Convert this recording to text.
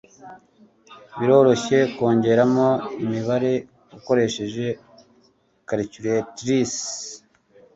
Biroroshye kongeramo imibare ukoresheje calculatrice.